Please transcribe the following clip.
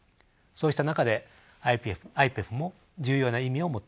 そうした中でＩＰＥＦも重要な意味を持っています。